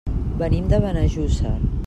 Venim de Benejússer.